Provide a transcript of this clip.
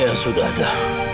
ya sudah adah